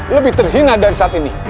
lebih terhina dari saat ini